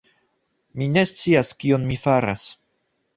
Mi ne scias kion mi faras.